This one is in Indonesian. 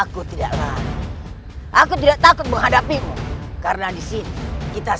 sumpah seorang raja besar